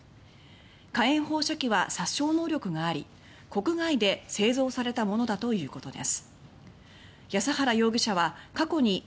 火炎放射器は殺傷能力があり国外で製造されたものだということです。